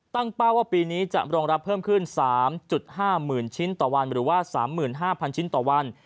เป้าว่าปีนี้จะรองรับเพิ่มขึ้น๓๕๐๐๐ชิ้นต่อวันหรือว่า๓๕๐๐ชิ้นต่อวัน